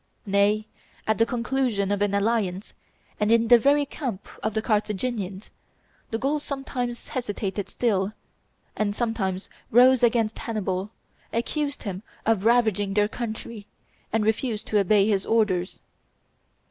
Nay, at the conclusion of an alliance, and in the very camp of the Carthaginians, the Gauls sometimes hesitated still, and sometimes rose against Hannibal, accused him of ravaging their country, and refused to obey his orders.